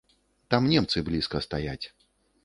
Там немцы блізка стаяць.